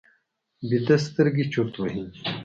ویده سترګې چورت وهي